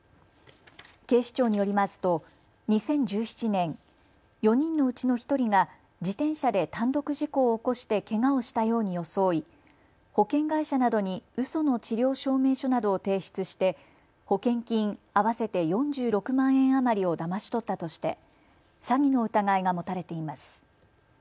警視庁によりますと２０１７年、４人のうちの１人が自転車で単独事故を起こしてけがをしたように装い保険会社などにうその治療証明書などを提出して保険金合わせて４６万円余りをだまし取ったとして詐欺の疑いが持たれています。